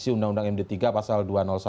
undang undang md tiga pasal dua ratus satu